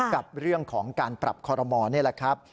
กับเรื่องของการปรับคอรมอลนี่แหละครับ